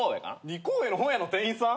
２個上の本屋の店員さん？